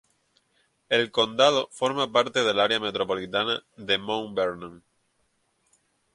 El condado forma parte del área metropolitana de Mount Vernon.